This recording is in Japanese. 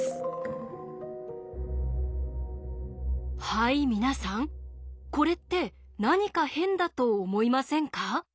はい皆さんこれって何か変だと思いませんか？